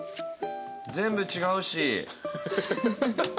全部違うし！